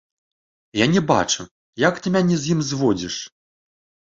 Я не бачу, як ты мяне з ім зводзіш?